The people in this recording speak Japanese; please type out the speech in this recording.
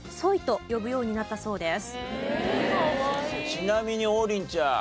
ちなみに王林ちゃん